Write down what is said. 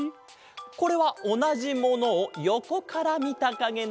これはおなじものをよこからみたかげだ。